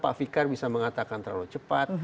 pak fikar bisa mengatakan terlalu cepat